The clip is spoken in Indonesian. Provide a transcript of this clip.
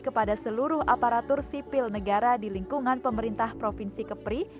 kepada seluruh aparatur sipil negara di lingkungan pemerintah provinsi kepri